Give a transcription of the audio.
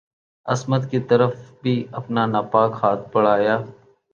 عصمت کی طرف بھی اپنا ناپاک ہاتھ بڑھایا